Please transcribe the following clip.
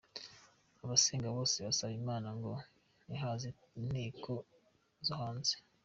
Abasenga bose basaba imana ngo ''ntihaze inteko zo hanze".